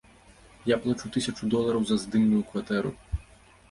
Я плачу тысячу долараў за здымную кватэру.